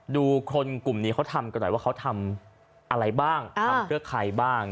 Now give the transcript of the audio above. ดูคนกลุ่มนี้เขาทำกันหน่อยว่าเขาทำอะไรบ้างทำเพื่อใครบ้าง